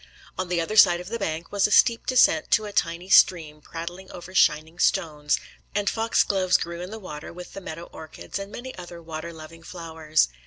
On the other side of the bank was a steep descent to a tiny stream prattling over shining stones; and fox gloves grew in the water with the meadow orchis, and many other water loving flowers.